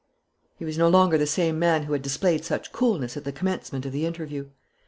He was no longer the same man who had displayed such coolness at the commencement of the interview.